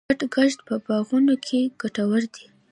ګډ کښت په باغونو کې ګټور دی.